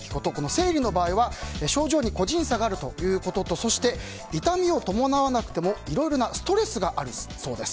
生理の場合は症状に個人差があるということとそして、痛みを伴わなくてもいろいろなストレスがあるそうです。